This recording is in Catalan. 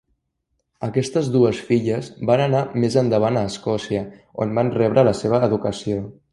Aquestes dues filles van anar més endavant a Escòcia on van rebre la seva educació.